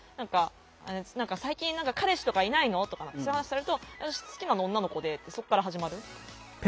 「最近彼氏とかいないの？」とかそういう話されると「私好きなの女の子で」ってそこから始まる。